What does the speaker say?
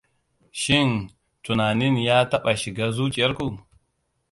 Shin tunanin ya taɓa shiga zuciyar ku?